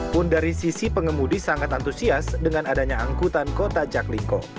pun dari sisi pengemudi sangat antusias dengan adanya angkutan kota jaklingko